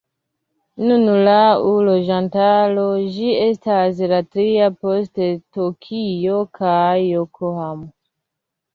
Nun laŭ loĝantaro ĝi estas la tria post Tokio kaj Jokohamo.